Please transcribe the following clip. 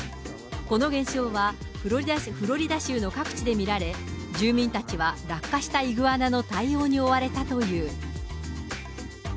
この現象は、フロリダ州の各地で見られ、住民たちは落下したイグアナの対応に追われたという。